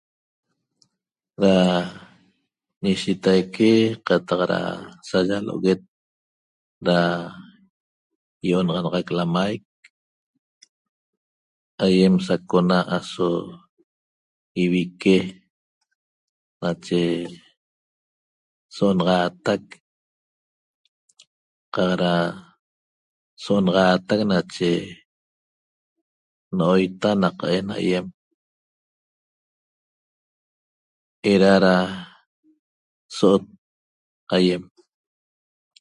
Ra ñishitaique qataq sañalo'oguet da io'onaxanaxac lamaic aiem sacona aso ivique nache so'onaxatac qaq ra so'onaxatac nache no'oita naqaen aiem era ra so'ot aiem